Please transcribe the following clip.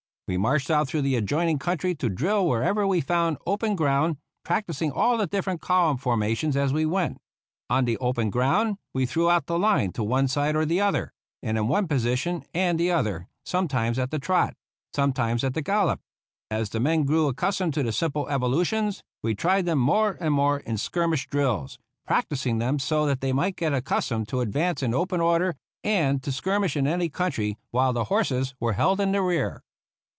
We marched out through the adjoining country to drill wherever we found open ground, practis ing all the different column formations as we went. On the open ground we threw out the line to one side or the other, and in one position and the other, sometimes at the trot, sometimes at the gallop. As the men grew accustomed to the simple evolutions, we tried them more and more in skirmish drills, practising them so that they might get accustomed to advance in open order and to skirmish in any country, while the horses were held in the rear.